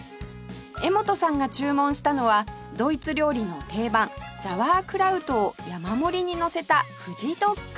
柄本さんが注文したのはドイツ料理の定番ザワークラウトを山盛りにのせたフジドッグ